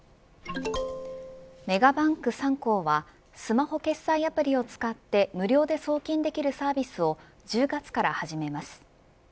メガバンク３行はスマホ決済アプリを使って無料で送金できるサービスを１０月から始めます。